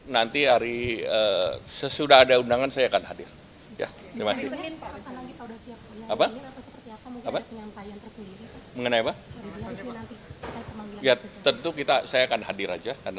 nanti hari sesudah ada undangan saya akan hadir